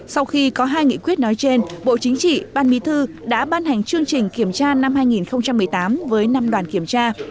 sau khi có hai nghị quyết nói trên bộ chính trị ban bí thư đã ban hành chương trình kiểm tra năm hai nghìn một mươi tám với năm đoàn kiểm tra